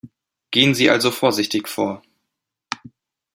Gehen Sie also vorsichtig vor!